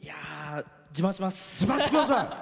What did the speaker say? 自慢します。